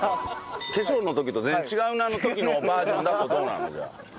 「化粧の時と全然違うな」の時のバージョンだとどうなの？